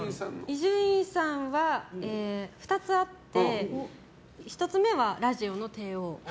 伊集院さんは２つあって１つ目はラジオの帝王。